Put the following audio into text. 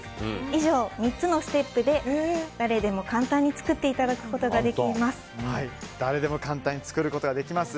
以上、３つのステップで誰でも簡単に作っていただくことができます。